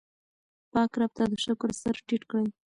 پاک رب ته د شکر سر ټیټ کړئ.